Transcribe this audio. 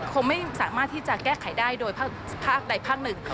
คงไม่สามารถที่จะแก้ไขได้โดยภาคใดภาคหนึ่ง